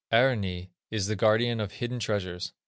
Aarni is the guardian of hidden treasures.